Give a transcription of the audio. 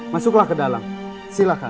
masuklah ke dalam silakan